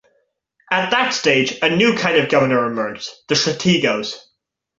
At that stage, a new kind of governor emerged, the Strategos.